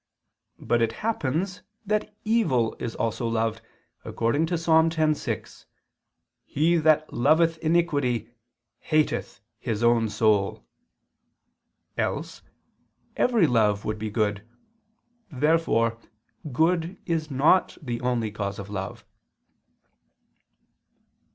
But it happens that evil also is loved, according to Ps. 10:6: "He that loveth iniquity, hateth his own soul": else, every love would be good. Therefore good is not the only cause of love.